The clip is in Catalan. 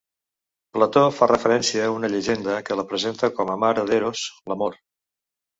Plató fa referència a una llegenda que la presenta com a mare d'Eros, l'amor.